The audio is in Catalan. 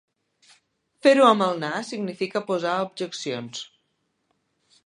Fer-ho amb el nas significa posar objeccions.